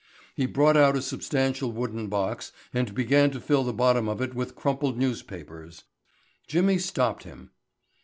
He brought out a substantial wooden box and began to fill the bottom of it with crumpled newspapers. Jimmy stopped him.